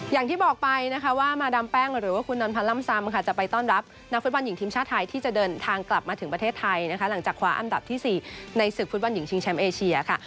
อย่างที่บอกไปนะคะว่ามาดามแป้งหรือว่าคุณนนพันธ์ล่ำซำค่ะจะไปต้อนรับนักฟุตบอลหญิงทีมชาติไทยที่จะเดินทางกลับมาถึงประเทศไทยนะคะหลังจากคว้าอันดับที่๔ในศึกฟุตบอลหญิงชิงแชมป์เอเชียค่ะ